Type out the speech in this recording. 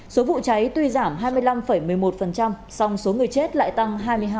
số vụ cháy tuy giảm hai mươi năm một mươi một song số người chết lại tăng hai mươi hai